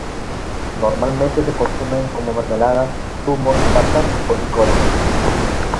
Normalmente se consumen como mermeladas, zumos, tartas o licores.